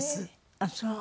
ああそう？